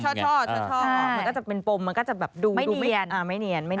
ช่อมันก็จะเป็นปมมันก็จะแบบดูเนียนไม่เนียน